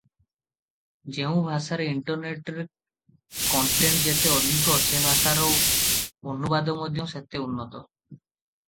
ଯେଉଁ ଭାଷାରେ ଇଣ୍ଟରନେଟରେ କଣ୍ଟେଣ୍ଟ ଯେତେ ଅଧିକ ସେ ଭାଷାର ଅନୁବାଦ ମଧ୍ୟ ସେତେ ଉନ୍ନତ ।